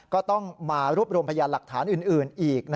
ก็ต้องมารวบรวมพยานหลักฐานอื่นอีก